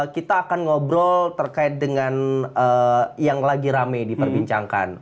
kita akan ngobrol terkait dengan yang lagi rame diperbincangkan